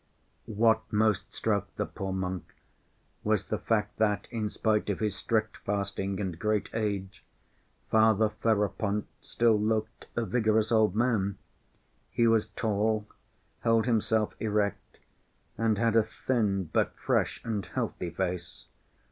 What most struck the poor monk was the fact that in spite of his strict fasting and great age, Father Ferapont still looked a vigorous old man. He was tall, held himself erect, and had a thin, but fresh and healthy face.